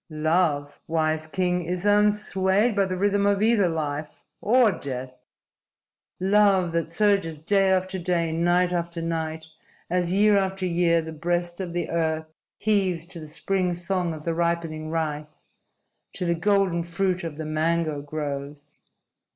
"Love, wise king, is unswayed by the rhythm of either life or death. Love that surges day after day, night after night, as year after year the breast of the earth heaves to the spring song of the ripening rice, to the golden fruit of the mango groves.